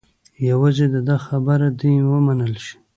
یوازې د ده خبره دې ومنل شي.